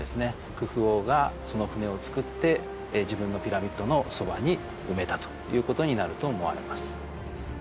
クフ王がその船を造って自分のピラミッドのそばに埋めたということになると思われます。